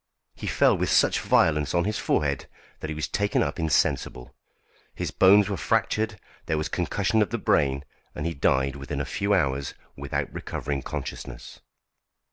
He fell with such violence on his forehead that he was taken up insensible. His bones were fractured, there was concussion of the brain, and he died within a few hours without recovering consciousness.